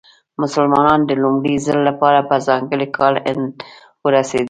مسلمانان د لومړي ځل لپاره په ځانګړي کال هند ورسېدل.